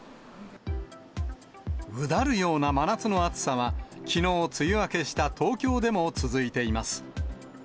うだるような真夏の暑さは、きのう梅雨明けした東京でも続いています。